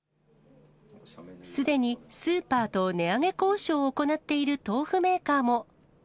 すでにスーパーと値上げ交渉を行っている豆腐メーカーも。